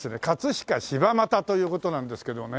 飾柴又という事なんですけどもね。